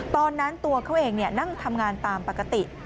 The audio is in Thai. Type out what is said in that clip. ตอนนั้นตัวเขาเองนั่งทำงานตามปกติ